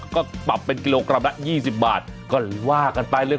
ก็ปรับเป็นกิโลกรัมละ๒๐บาทก็ว่ากันไปเลย